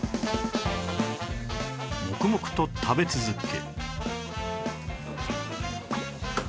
黙々と食べ続け